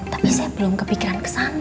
tapi saya belum kepikiran kesana